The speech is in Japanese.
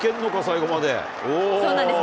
そうなんです。